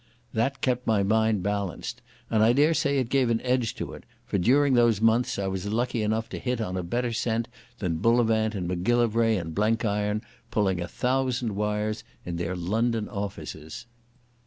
That kept my mind balanced, and I dare say it gave an edge to it; for during those months I was lucky enough to hit on a better scent than Bullivant and Macgillivray and Blenkiron, pulling a thousand wires in their London offices.